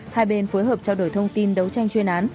hai bên phối hợp trao đổi thông tin đấu tranh chuyên án